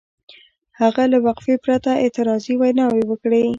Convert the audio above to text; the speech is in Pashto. هغه له وقفې پرته اعتراضي ویناوې وکړې.